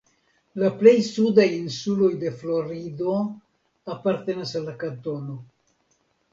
La plej sudaj insuloj de Florido apartenas al la kantono.